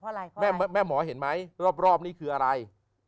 อะไรแม่หมอเห็นไหมรอบนี้คืออะไร